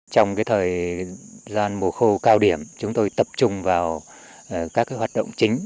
trong thời gian mùa khô cao điểm chúng tôi tập trung vào các hoạt động chính